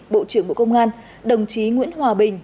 bộ trưởng bộ công an đồng chí nguyễn hòa bình